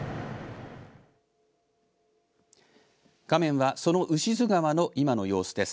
画面はその牛津川の今の様子です。